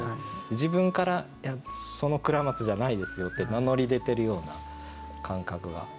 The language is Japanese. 自分から「いやその倉松じゃないですよ」って名乗り出てるような感覚があって。